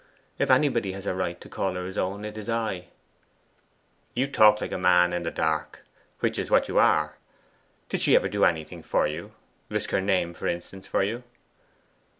If anybody has a right to call her his own, it is I.' 'You talk like a man in the dark; which is what you are. Did she ever do anything for you? Risk her name, for instance, for you?